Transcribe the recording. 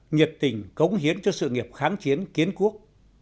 nhiệt tình cống hiến cho sự nghiệp kháng chiến kiến quốc